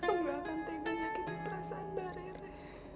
enggak akan tegang nyakitkan perasaan mbak rere